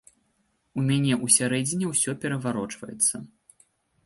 У мяне ўсярэдзіне ўсё пераварочваецца.